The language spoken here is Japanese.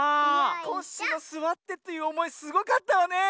コッシーの「すわって」っていうおもいすごかったわねえ。